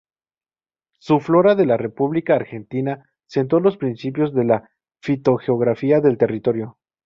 Su "Flora de la República Argentina" sentó los principios de la fitogeografía del territorio.